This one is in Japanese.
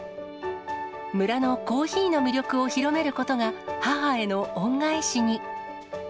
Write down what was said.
村のコーヒーの魅力を広めることが、母への恩返しに。